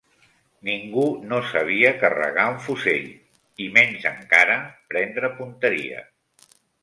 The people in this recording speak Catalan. Ningú no sabia carregar un fusell, i menys encara prendre punteria.